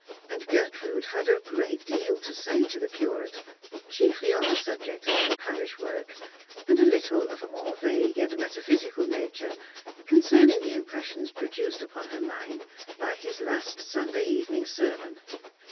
And Gertrude had a great deal to say to the Curate ; chiefly on the subject of her parish work, and a little of a more vague and metaphysical nature concerning the impressions pro duced upon her mind by his last Sunday evening sermon.